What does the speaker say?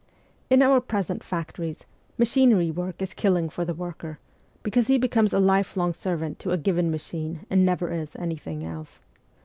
In our present factories, machinery work is killing for the worker, because he becomes a lifelong servant to a given machine and never is any thing else.